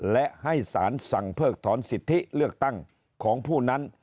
และให้สารสั่งเพิกถอนสิทธิเลือกตั้งของผู้นั้น